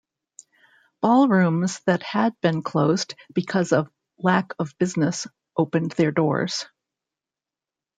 Ballrooms that had been closed because of lack of business opened their doors.